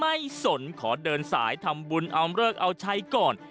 ความไม่สนขอเดินสายทำบุญออมเลิกเอาใช้ก่อน